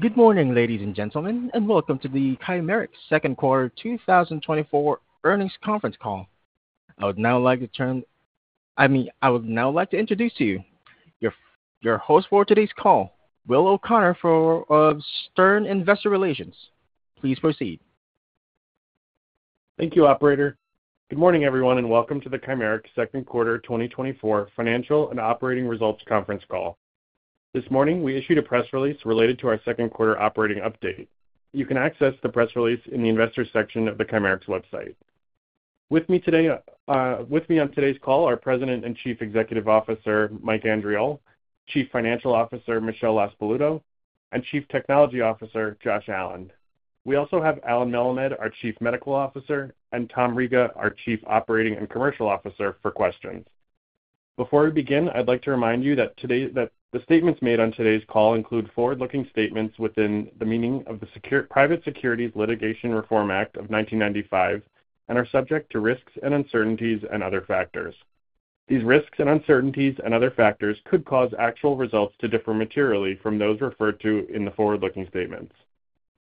Good morning, ladies and gentlemen, and welcome to the Chimerix second quarter 2024 earnings conference call. I mean, I would now like to introduce to you your, your host for today's call, Will O'Connor, for Stern Investor Relations. Please proceed. Thank you, operator. Good morning, everyone, and welcome to the Chimerix second quarter 2024 financial and operating results conference call. This morning, we issued a press release related to our second quarter operating update. You can access the press release in the investors section of the Chimerix website. With me today, with me on today's call, are President and Chief Executive Officer, Mike Andriole, Chief Financial Officer, Michelle LaSpaluto, and Chief Technology Officer, Josh Allen. We also have Allen Melemed, our Chief Medical Officer, and Tom Riga, our Chief Operating and Commercial Officer, for questions. Before we begin, I'd like to remind you that the statements made on today's call include forward-looking statements within the meaning of the Private Securities Litigation Reform Act of 1995 and are subject to risks and uncertainties and other factors. These risks and uncertainties and other factors could cause actual results to differ materially from those referred to in the forward-looking statements.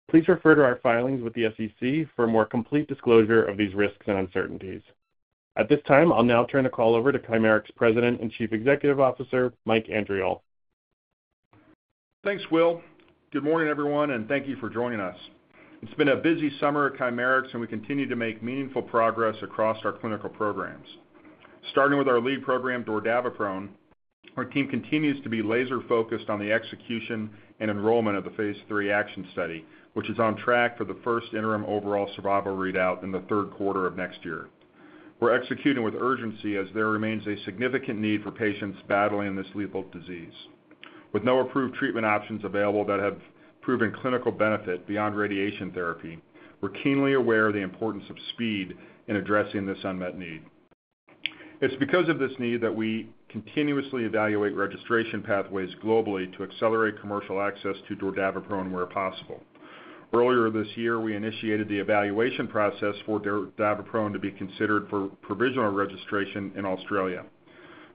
Please refer to our filings with the SEC for a more complete disclosure of these risks and uncertainties. At this time, I'll now turn the call over to Chimerix President and Chief Executive Officer, Mike Andriole. Thanks, Will. Good morning, everyone, and thank you for joining us. It's been a busy summer at Chimerix, and we continue to make meaningful progress across our clinical programs. Starting with our lead program, dordaviprone, our team continues to be laser-focused on the execution and enrollment of the Phase 3 ACTION study, which is on track for the first interim overall survival readout in the third quarter of next year. We're executing with urgency as there remains a significant need for patients battling this lethal disease. With no approved treatment options available that have proven clinical benefit beyond radiation therapy, we're keenly aware of the importance of speed in addressing this unmet need. It's because of this need that we continuously evaluate registration pathways globally to accelerate commercial access to dordaviprone where possible. Earlier this year, we initiated the evaluation process for dordaviprone to be considered for provisional registration in Australia.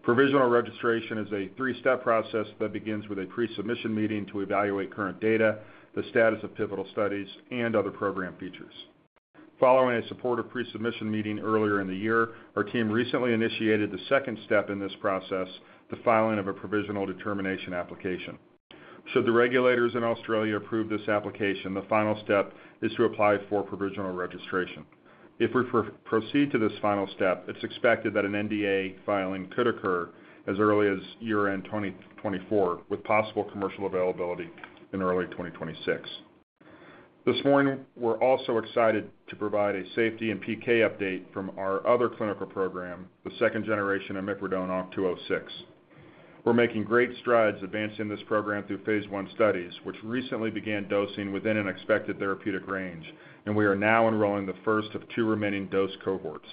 Provisional registration is a three-step process that begins with a pre-submission meeting to evaluate current data, the status of pivotal studies, and other program features. Following a supportive pre-submission meeting earlier in the year, our team recently initiated the second step in this process, the filing of a provisional determination application. Should the regulators in Australia approve this application, the final step is to apply for provisional registration. If we proceed to this final step, it's expected that an NDA filing could occur as early as year-end 2024, with possible commercial availability in early 2026. This morning, we're also excited to provide a safety and PK update from our other clinical program, the second generation of imipridone, ONC206. We're making great strides advancing this program through Phase 1 studies, which recently began dosing within an expected therapeutic range, and we are now enrolling the first of 2 remaining dose cohorts.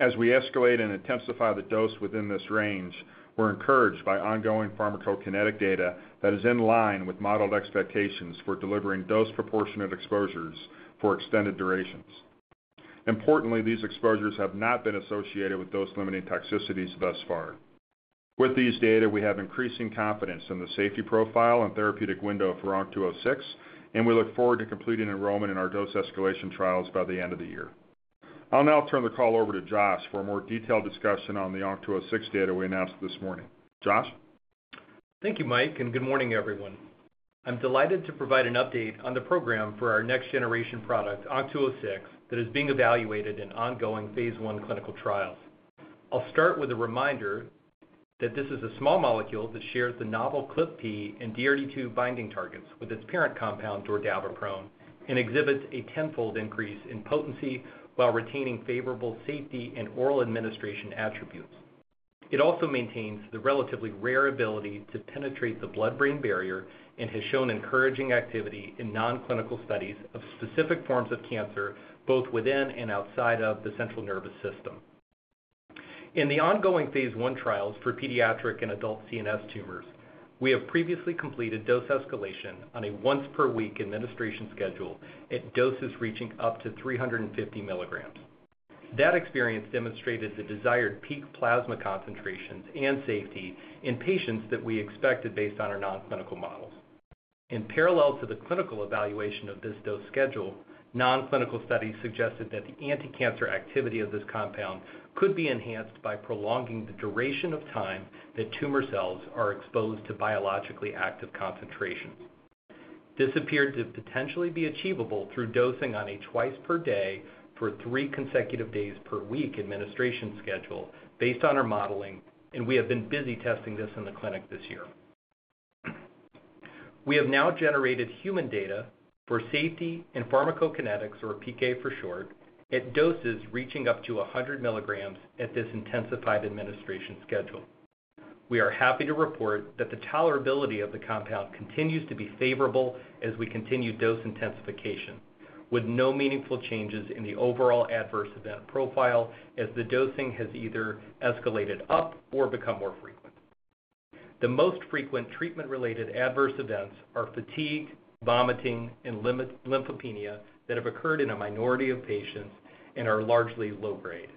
As we escalate and intensify the dose within this range, we're encouraged by ongoing pharmacokinetic data that is in line with modeled expectations for delivering dose proportionate exposures for extended durations. Importantly, these exposures have not been associated with dose-limiting toxicities thus far. With these data, we have increasing confidence in the safety profile and therapeutic window for ONC206, and we look forward to completing enrollment in our dose escalation trials by the end of the year. I'll now turn the call over to Josh for a more detailed discussion on the ONC206 data we announced this morning. Josh? Thank you, Mike, and good morning, everyone. I'm delighted to provide an update on the program for our next generation product, ONC206, that is being evaluated in ongoing phase 1 clinical trials. I'll start with a reminder that this is a small molecule that shares the novel ClpP and DRD2 binding targets with its parent compound, dordaviprone, and exhibits a tenfold increase in potency while retaining favorable safety and oral administration attributes. It also maintains the relatively rare ability to penetrate the blood-brain barrier and has shown encouraging activity in non-clinical studies of specific forms of cancer, both within and outside of the central nervous system. In the ongoing phase 1 trials for pediatric and adult CNS tumors, we have previously completed dose escalation on a once per week administration schedule at doses reaching up to 350 milligrams. That experience demonstrated the desired peak plasma concentrations and safety in patients that we expected based on our non-clinical models. In parallel to the clinical evaluation of this dose schedule, non-clinical studies suggested that the anticancer activity of this compound could be enhanced by prolonging the duration of time that tumor cells are exposed to biologically active concentrations. This appeared to potentially be achievable through dosing on a twice per day for three consecutive days per week administration schedule based on our modeling, and we have been busy testing this in the clinic this year. We have now generated human data for safety and pharmacokinetics, or PK for short, at doses reaching up to 100 milligrams at this intensified administration schedule. We are happy to report that the tolerability of the compound continues to be favorable as we continue dose intensification, with no meaningful changes in the overall adverse event profile as the dosing has either escalated up or become more frequent. The most frequent treatment-related adverse events are fatigue, vomiting, and lymphopenia that have occurred in a minority of patients and are largely low grade....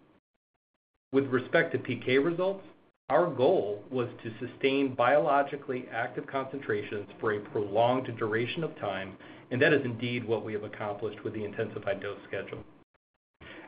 With respect to PK results, our goal was to sustain biologically active concentrations for a prolonged duration of time, and that is indeed what we have accomplished with the intensified dose schedule.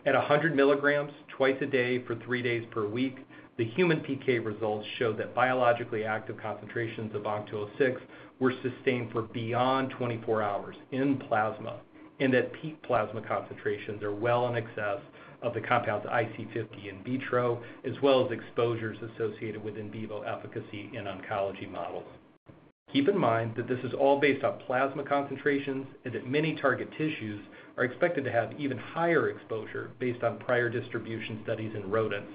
At 100 milligrams twice a day for 3 days per week, the human PK results showed that biologically active concentrations of ONC206 were sustained for beyond 24 hours in plasma, and that peak plasma concentrations are well in excess of the compound's IC50 in vitro, as well as exposures associated with in vivo efficacy in oncology models. Keep in mind that this is all based on plasma concentrations and that many target tissues are expected to have even higher exposure based on prior distribution studies in rodents.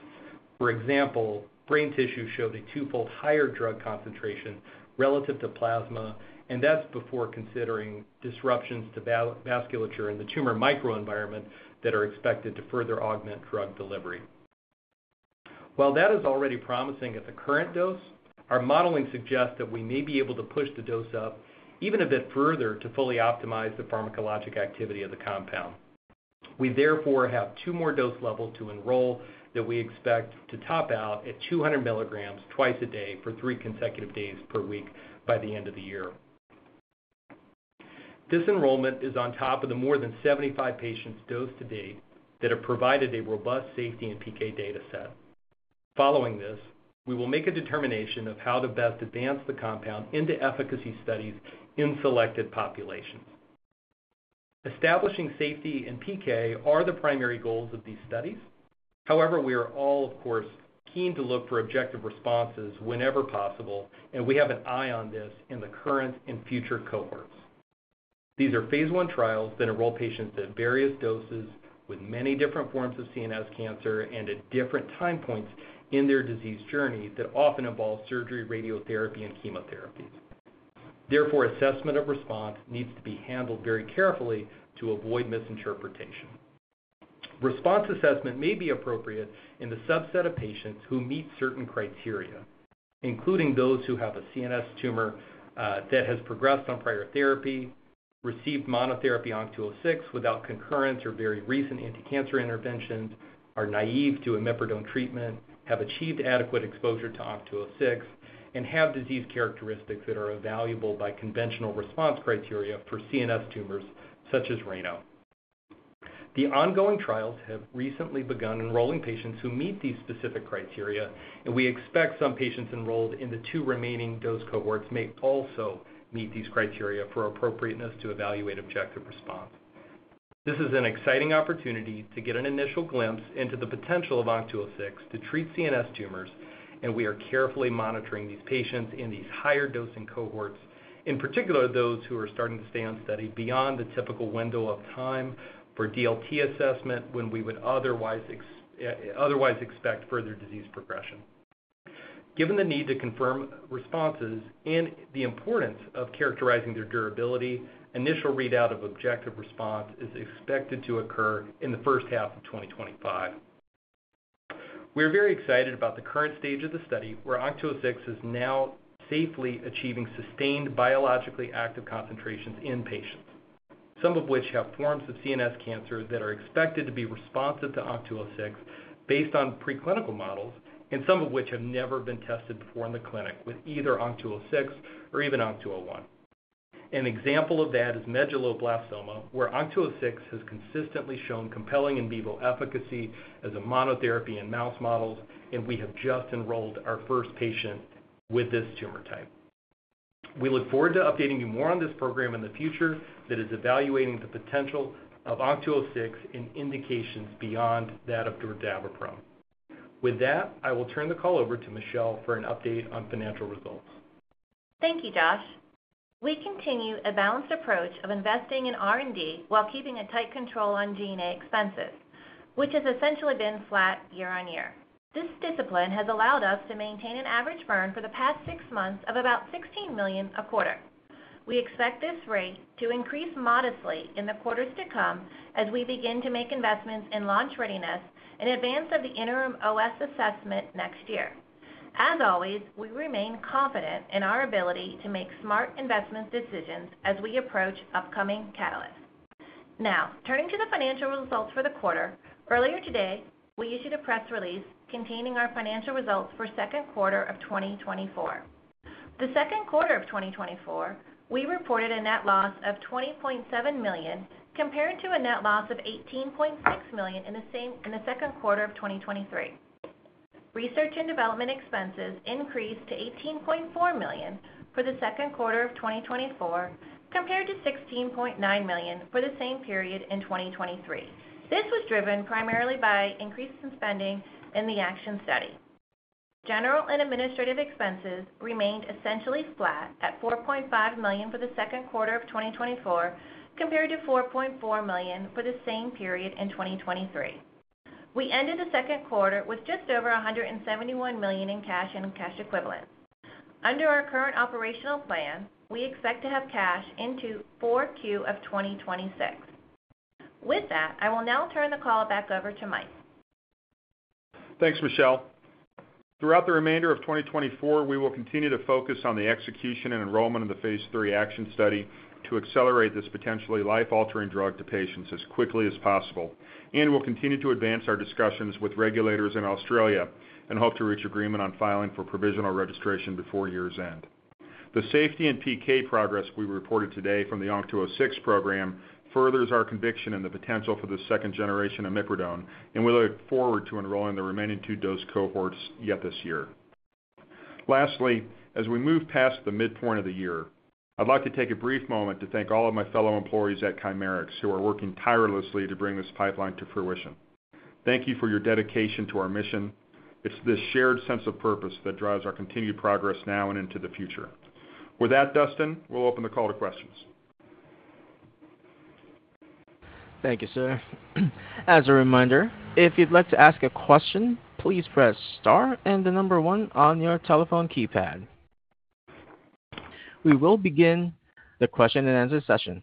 For example, brain tissue showed a twofold higher drug concentration relative to plasma, and that's before considering disruptions to vasculature in the tumor microenvironment that are expected to further augment drug delivery. While that is already promising at the current dose, our modeling suggests that we may be able to push the dose up even a bit further to fully optimize the pharmacologic activity of the compound. We therefore have two more dose levels to enroll that we expect to top out at 200 milligrams twice a day for 3 consecutive days per week by the end of the year. This enrollment is on top of the more than 75 patients dosed to date that have provided a robust safety and PK data set. Following this, we will make a determination of how to best advance the compound into efficacy studies in selected populations. Establishing safety and PK are the primary goals of these studies. However, we are all, of course, keen to look for objective responses whenever possible, and we have an eye on this in the current and future cohorts. These are phase 1 trials that enroll patients at various doses with many different forms of CNS cancer and at different time points in their disease journey that often involve surgery, radiotherapy, and chemotherapies. Therefore, assessment of response needs to be handled very carefully to avoid misinterpretation. Response assessment may be appropriate in the subset of patients who meet certain criteria, including those who have a CNS tumor that has progressed on prior therapy, received monotherapy ONC206 without concurrent or very recent anticancer interventions, are naive to imipridone treatment, have achieved adequate exposure to ONC206, and have disease characteristics that are evaluable by conventional response criteria for CNS tumors such as RANO. The ongoing trials have recently begun enrolling patients who meet these specific criteria, and we expect some patients enrolled in the two remaining dose cohorts may also meet these criteria for appropriateness to evaluate objective response. This is an exciting opportunity to get an initial glimpse into the potential of ONC206 to treat CNS tumors, and we are carefully monitoring these patients in these higher dosing cohorts, in particular, those who are starting to stay on study beyond the typical window of time for DLT assessment, when we would otherwise expect further disease progression. Given the need to confirm responses and the importance of characterizing their durability, initial readout of objective response is expected to occur in the first half of 2025. We're very excited about the current stage of the study, where ONC206 is now safely achieving sustained, biologically active concentrations in patients, some of which have forms of CNS cancer that are expected to be responsive to ONC206 based on preclinical models, and some of which have never been tested before in the clinic with either ONC206 or even ONC201. An example of that is medulloblastoma, where ONC206 has consistently shown compelling in vivo efficacy as a monotherapy in mouse models, and we have just enrolled our first patient with this tumor type. We look forward to updating you more on this program in the future that is evaluating the potential of ONC206 in indications beyond that of dordaviprone. With that, I will turn the call over to Michelle for an update on financial results. Thank you, Josh. We continue a balanced approach of investing in R&D while keeping a tight control on G&A expenses, which has essentially been flat year-on-year. This discipline has allowed us to maintain an average burn for the past six months of about $16 million a quarter. We expect this rate to increase modestly in the quarters to come as we begin to make investments in launch readiness in advance of the interim OS assessment next year. As always, we remain confident in our ability to make smart investment decisions as we approach upcoming catalysts. Now, turning to the financial results for the quarter. Earlier today, we issued a press release containing our financial results for second quarter of 2024. The second quarter of 2024, we reported a net loss of $20.7 million, compared to a net loss of $18.6 million in the same in the second quarter of 2023. Research and development expenses increased to $18.4 million for the second quarter of 2024, compared to $16.9 million for the same period in 2023. This was driven primarily by increases in spending in the ACTION study. General and administrative expenses remained essentially flat at $4.5 million for the second quarter of 2024, compared to $4.4 million for the same period in 2023. We ended the second quarter with just over $171 million in cash and cash equivalents. Under our current operational plan, we expect to have cash into 4Q of 2026. With that, I will now turn the call back over to Mike. Thanks, Michelle. ...Throughout the remainder of 2024, we will continue to focus on the execution and enrollment of the Phase 3 ACTION study to accelerate this potentially life-altering drug to patients as quickly as possible, and we'll continue to advance our discussions with regulators in Australia and hope to reach agreement on filing for provisional registration before year's end. The safety and PK progress we reported today from the ONC206 program furthers our conviction in the potential for the second generation of imipridone, and we look forward to enrolling the remaining 2 dose cohorts yet this year. Lastly, as we move past the midpoint of the year, I'd like to take a brief moment to thank all of my fellow employees at Chimerix, who are working tirelessly to bring this pipeline to fruition. Thank you for your dedication to our mission. It's this shared sense of purpose that drives our continued progress now and into the future. With that, Dustin, we'll open the call to questions. Thank you, sir. As a reminder, if you'd like to ask a question, please press Star and the number one on your telephone keypad. We will begin the question-and-answer session.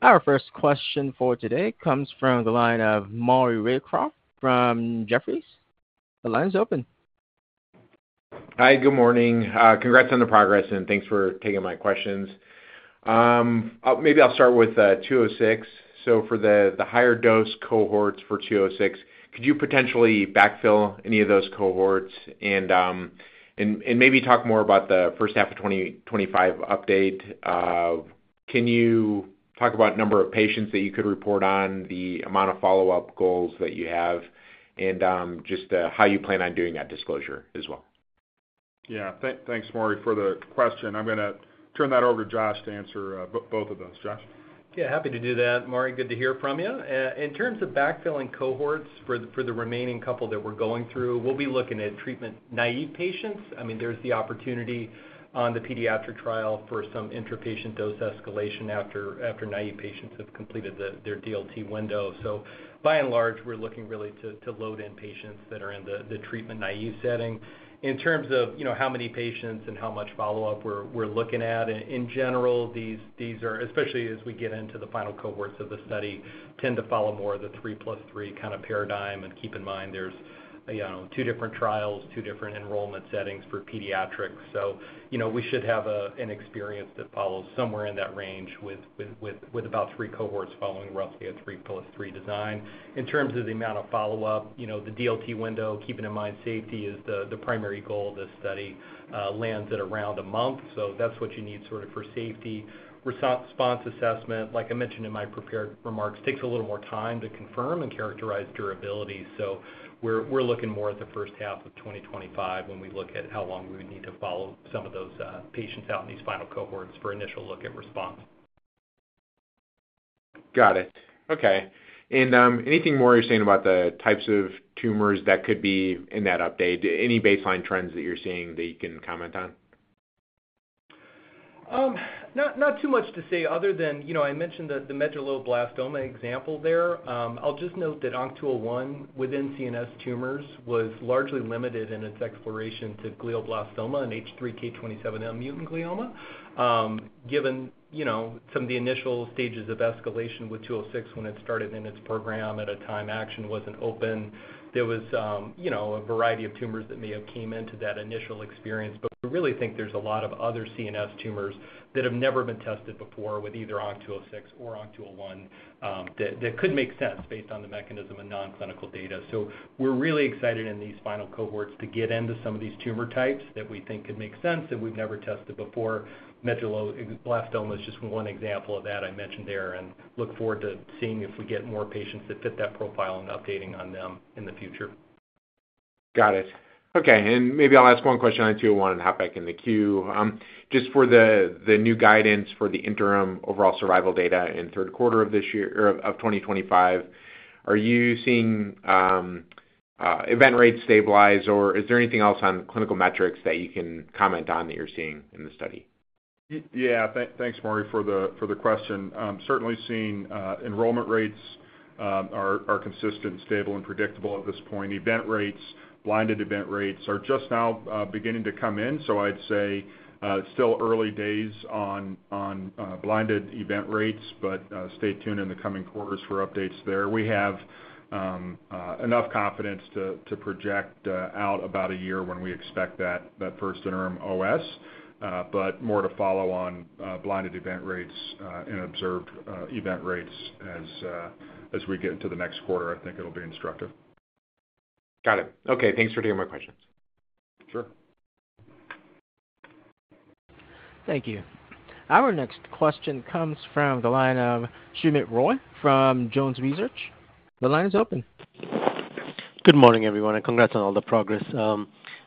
Our first question for today comes from the line of Maury Raycroft from Jefferies. The line is open. Hi, good morning. Congrats on the progress, and thanks for taking my questions. Maybe I'll start with 206. So for the higher dose cohorts for 206, could you potentially backfill any of those cohorts and maybe talk more about the first half of 2025 update? Can you talk about number of patients that you could report on, the amount of follow-up goals that you have, and how you plan on doing that disclosure as well? Yeah, thanks, Maury, for the question. I'm going to turn that over to Josh to answer both of those. Josh? Yeah, happy to do that, Maury. Good to hear from you. In terms of backfilling cohorts for the remaining couple that we're going through, we'll be looking at treatment-naive patients. I mean, there's the opportunity on the pediatric trial for some intrapatient dose escalation after naive patients have completed their DLT window. So by and large, we're looking really to load in patients that are in the treatment-naive setting. In terms of, you know, how many patients and how much follow-up we're looking at, in general, these are, especially as we get into the final cohorts of the study, tend to follow more of the 3 + 3 kind of paradigm. Keep in mind, there's two different trials, two different enrollment settings for pediatrics. So, you know, we should have an experience that follows somewhere in that range with about three cohorts following roughly a 3 + 3 design. In terms of the amount of follow-up, you know, the DLT window, keeping in mind safety is the primary goal of this study, lands at around a month. So that's what you need sort of for safety. Response assessment, like I mentioned in my prepared remarks, takes a little more time to confirm and characterize durability. So we're looking more at the first half of 2025 when we look at how long we would need to follow some of those patients out in these final cohorts for initial look and response. Got it. Okay. And, anything more you're seeing about the types of tumors that could be in that update? Any baseline trends that you're seeing that you can comment on? Not too much to say other than, you know, I mentioned the medulloblastoma example there. I'll just note that ONC201 within CNS tumors was largely limited in its exploration to glioblastoma and H3 K27M-mutant glioma. Given, you know, some of the initial stages of escalation with 206 when it started in its program at a time ACTION wasn't open, there was, you know, a variety of tumors that may have came into that initial experience. But we really think there's a lot of other CNS tumors that have never been tested before with either ONC206 or ONC201, that, that could make sense based on the mechanism and nonclinical data. So we're really excited in these final cohorts to get into some of these tumor types that we think could make sense, that we've never tested before. Medulloblastoma is just one example of that I mentioned there, and look forward to seeing if we get more patients that fit that profile and updating on them in the future. Got it. Okay, and maybe I'll ask one question on 201 and hop back in the queue. Just for the new guidance for the interim overall survival data in third quarter of this year or of 2025, are you seeing event rates stabilize, or is there anything else on clinical metrics that you can comment on that you're seeing in the study? Yeah. Thanks, Maury, for the question. Certainly seeing enrollment rates are consistent, stable, and predictable at this point. Event rates, blinded event rates are just now beginning to come in, so I'd say still early days on blinded event rates, but stay tuned in the coming quarters for updates there. We have enough confidence to project out about a year when we expect that first interim OS, but more to follow on blinded event rates and observed event rates as we get into the next quarter, I think it'll be instructive. Got it. Okay, thanks for taking my questions. Sure. Thank you. Our next question comes from the line of Soumit Roy from Jones Research. The line is open. Good morning, everyone, and congrats on all the progress.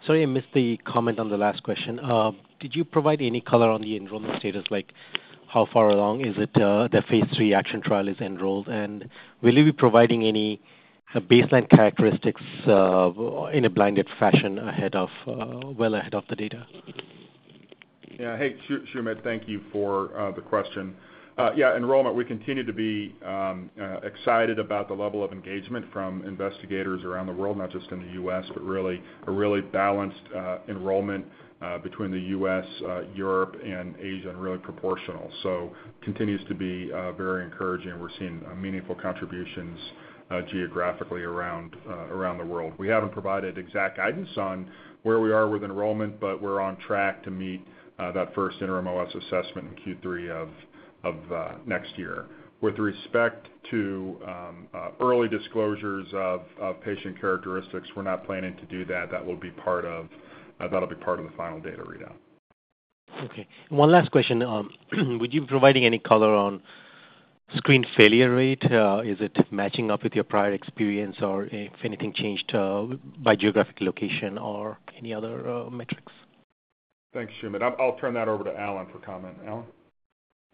Sorry, I missed the comment on the last question. Did you provide any color on the enrollment status? Like, how far along is it, the Phase 3 ACTION trial is enrolled? And will you be providing any baseline characteristics, in a blinded fashion ahead of, well ahead of the data? Yeah. Hey, Soumit, thank you for the question. Yeah, enrollment, we continue to be excited about the level of engagement from investigators around the world, not just in the U.S., but really a really balanced enrollment between the U.S., Europe, and Asia, and really proportional. So continues to be very encouraging. We're seeing meaningful contributions geographically around around the world. We haven't provided exact guidance on where we are with enrollment, but we're on track to meet that first interim OS assessment in Q3 of next year. With respect to early disclosures of patient characteristics, we're not planning to do that. That will be part of, that'll be part of the final data readout. Okay, one last question. Would you be providing any color on screen failure rate? Is it matching up with your prior experience, or if anything changed, by geographic location or any other metrics? Thanks, Soumit. I'll turn that over to Allen for comment. Allen?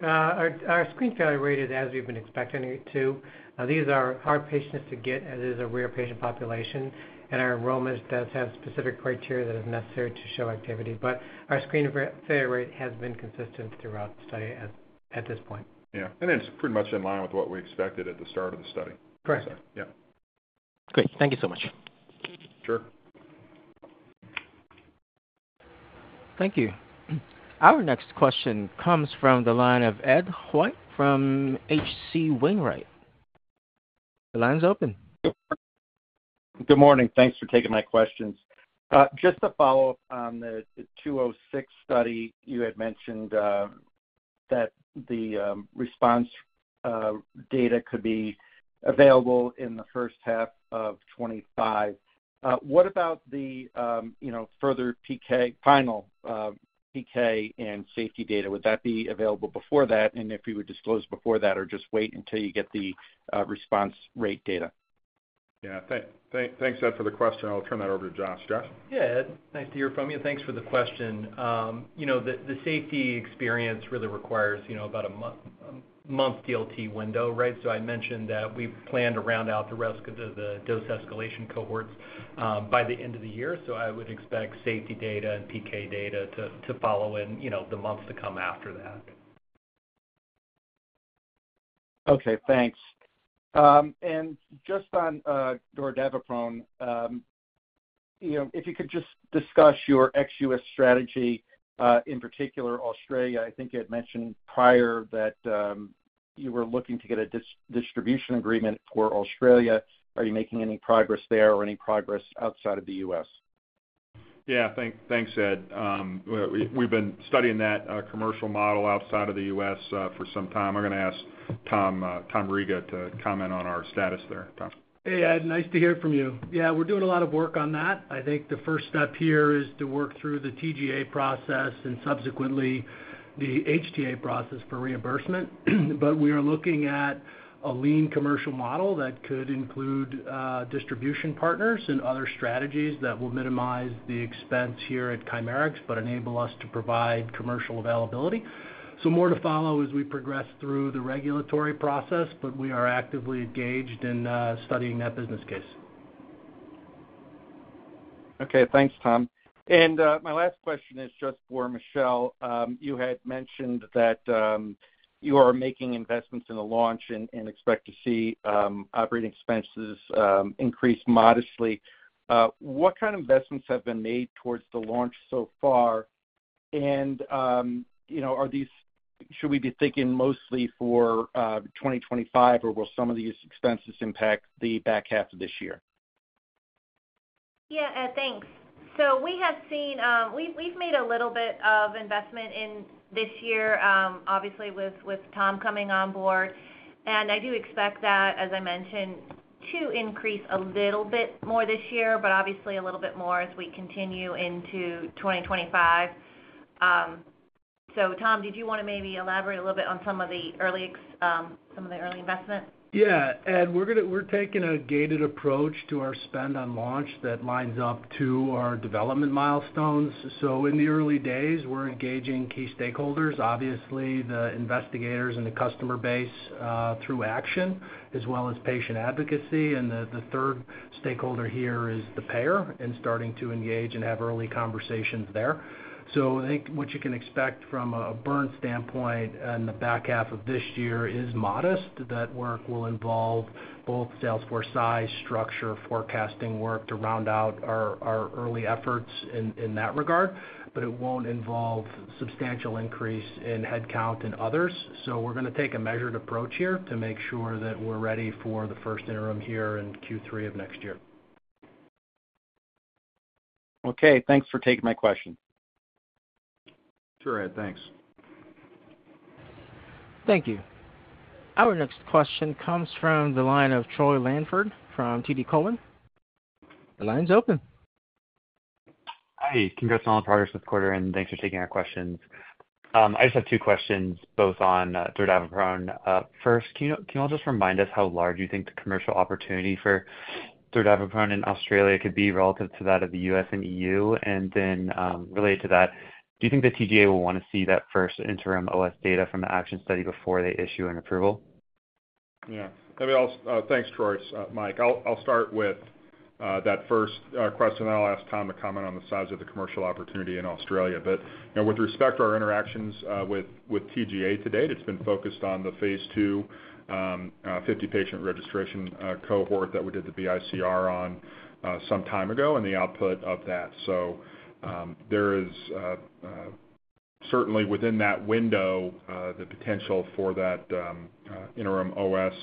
Our screen failure rate is as we've been expecting it to. These are hard patients to get, as it is a rare patient population, and our enrollment does have specific criteria that is necessary to show activity. But our screen failure rate has been consistent throughout the study at this point. Yeah, and it's pretty much in line with what we expected at the start of the study. Correct. Yeah. Great. Thank you so much. Sure. Thank you. Our next question comes from the line of Edward White from H.C. Wainwright. The line's open. Good morning. Thanks for taking my questions. Just to follow up on the 206 study, you had mentioned that the response data could be available in the first half of 2025. What about the, you know, further PK, final PK and safety data? Would that be available before that, and if you would disclose before that or just wait until you get the response rate data? Yeah. Thanks, Ed, for the question. I'll turn that over to Josh. Josh? Yeah, Ed, nice to hear from you. Thanks for the question. You know, the safety experience really requires, you know, about a month DLT window, right? So I mentioned that we plan to round out the rest of the dose escalation cohorts by the end of the year. So I would expect safety data and PK data to follow in, you know, the months to come after that. Okay, thanks. And just on dordaviprone, you know, if you could just discuss your ex-US strategy, in particular, Australia. I think you had mentioned prior that you were looking to get a distribution agreement for Australia. Are you making any progress there or any progress outside of the U.S.? Yeah. Thanks, Ed. We've been studying that commercial model outside of the US for some time. I'm going to ask Tom, Tom Riga to comment on our status there. Tom? Hey, Ed, nice to hear from you. Yeah, we're doing a lot of work on that. I think the first step here is to work through the TGA process and subsequently the HTA process for reimbursement. But we are looking at a lean commercial model that could include, distribution partners and other strategies that will minimize the expense here at Chimerix, but enable us to provide commercial availability. So more to follow as we progress through the regulatory process, but we are actively engaged in, studying that business case. Okay, thanks, Tom. And my last question is just for Michelle. You had mentioned that you are making investments in the launch and expect to see operating expenses increase modestly. What kind of investments have been made towards the launch so far? And you know, are these, should we be thinking mostly for 2025, or will some of these expenses impact the back half of this year? Yeah, Ed, thanks. So we have seen, we've made a little bit of investment in this year, obviously, with Tom coming on board, and I do expect that, as I mentioned, to increase a little bit more this year, but obviously a little bit more as we continue into 2025. So Tom, did you want to maybe elaborate a little bit on some of the early investments? Yeah, Ed, we're taking a gated approach to our spend on launch that lines up to our development milestones. So, in the early days, we're engaging key stakeholders, obviously, the investigators and the customer base through ACTION, as well as patient advocacy. And the third stakeholder here is the payer and starting to engage and have early conversations there. So I think what you can expect from a burn standpoint in the back half of this year is modest. That work will involve both salesforce size, structure, forecasting work to round out our early efforts in that regard, but it won't involve substantial increase in headcount and others. So we're going to take a measured approach here to make sure that we're ready for the first interim here in Q3 of next year. Okay, thanks for taking my question. Sure, Ed. Thanks. Thank you. Our next question comes from the line of Troy Langford from TD Cowen. The line's open. Hi. Congrats on progress this quarter, and thanks for taking our questions. I just have two questions, both on dordaviprone. First, can you all just remind us how large you think the commercial opportunity for dordaviprone in Australia could be relative to that of the U.S. and EU? And then, related to that, do you think the TGA will want to see that first interim OS data from the ACTION study before they issue an approval? Yeah. Let me also... thanks, Troy. So, Mike, I'll, I'll start with that first question, then I'll ask Tom to comment on the size of the commercial opportunity in Australia. But, you know, with respect to our interactions with, with TGA to date, it's been focused on the phase 2 50-patient registration cohort that we did the BICR on some time ago and the output of that. So, there is certainly within that window the potential for that interim OS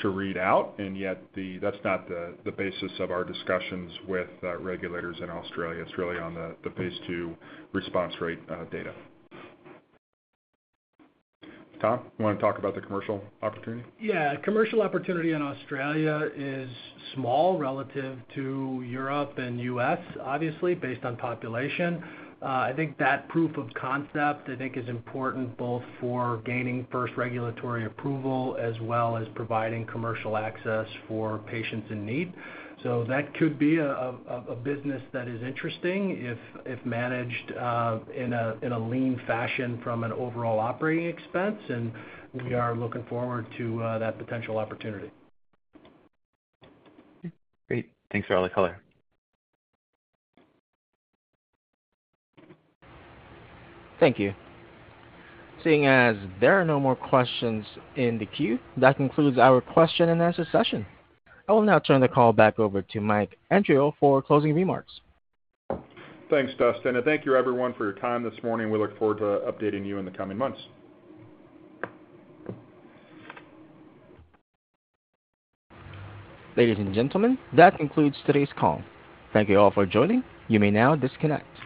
to read out, and yet that's not the basis of our discussions with regulators in Australia. It's really on the phase 2 response rate data. Tom, you want to talk about the commercial opportunity? Yeah. Commercial opportunity in Australia is small relative to Europe and US, obviously, based on population. I think that proof of concept, I think, is important both for gaining first regulatory approval, as well as providing commercial access for patients in need. So that could be a business that is interesting if managed in a lean fashion from an overall operating expense, and we are looking forward to that potential opportunity. Great. Thanks for all the color. Thank you. Seeing as there are no more questions in the queue, that concludes our question and answer session. I will now turn the call back over to Mike Andriole for closing remarks. Thanks, Dustin, and thank you, everyone, for your time this morning. We look forward to updating you in the coming months. Ladies and gentlemen, that concludes today's call. Thank you all for joining. You may now disconnect.